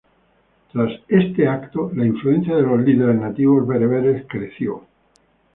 Tras este evento, la influencia de los líderes nativos bereberes creció.